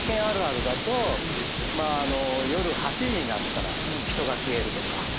あるあるだと夜８時になったら人が消えるとか。